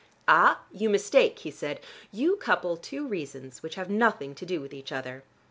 "Ah, you mistake!" he said. "You couple two reasons which have nothing to do with each other.